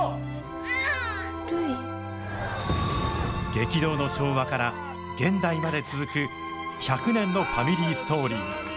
激動の昭和から現代まで続く１００年のファミリーヒストリー。